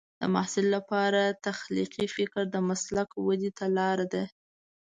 د محصل لپاره تخلیقي فکر د مسلک ودې ته لار ده.